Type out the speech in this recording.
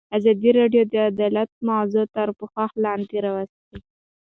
ازادي راډیو د عدالت موضوع تر پوښښ لاندې راوستې.